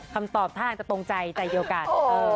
คำตอบท่าจะตรงใจใจเดียวกัน